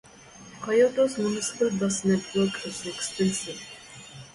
Kyoto's municipal bus network is extensive.